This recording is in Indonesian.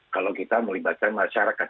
kalau kita melibatkan masyarakat